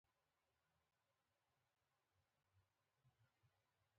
پرښخو، نجونو او زامنو